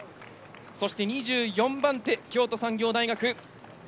そして２４番手、京都産業大学。